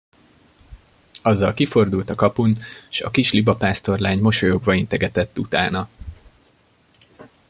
Azzal kifordult a kapun, s a kis libapásztorlány mosolyogva integetett utána.